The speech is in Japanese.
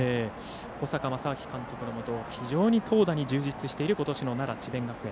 小坂将商監督のもと投打が充実している、ことしの奈良、智弁学園。